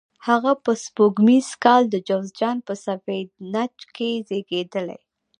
هغه په سپوږمیز کال د جوزجان په سفید نج کې زیږېدلی.